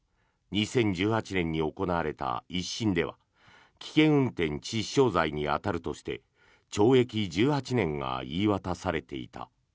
２０１８年に行われた１審では危険運転致死傷罪に当たるとして懲役１８年が言い渡されていた。